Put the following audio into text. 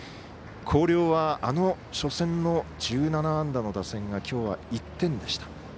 広陵はあの初戦の１７安打の打線がきょうは、１点でした。